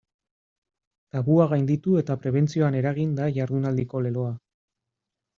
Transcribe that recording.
Tabua gainditu eta prebentzioan eragin da jardunaldiko leloa.